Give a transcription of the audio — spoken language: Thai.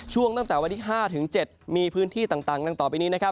ช่วงตั้งแต่วันที่๕ถึง๗มีพื้นที่ต่างต่างต่อไปนี้